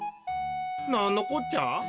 なんのこっちゃ？